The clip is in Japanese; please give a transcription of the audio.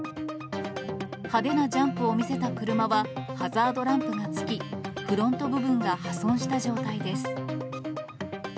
派手なジャンプを見せた車は、ハザードランプがつき、フロント部分が破損した状態です。